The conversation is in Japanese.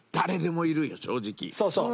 そうそう。